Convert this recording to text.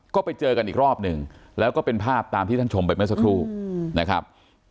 ก็ไปเจอกันอีกรอบหนึ่งแล้วก็เป็นภาพตามที่ท่านชมไปเมื่อสักครู่นะครับ